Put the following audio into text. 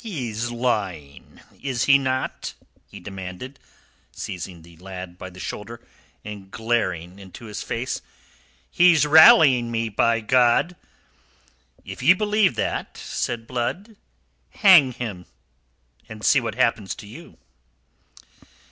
"He's lying, is he not?" he demanded, seizing the lad by the shoulder, and glaring into his face. "He's rallying rue, by God!" "If ye believe that," said Blood, "hang him, and see what happens to you."